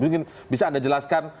mungkin bisa anda jelaskan